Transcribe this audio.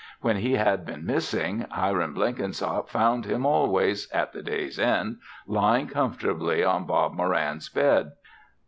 When he had been missing, Hiram Blenkinsop found him, always, at the day's end lying comfortably on Bob Moran's bed.